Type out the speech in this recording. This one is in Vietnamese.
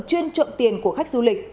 chuyên trộm tiền của khách du lịch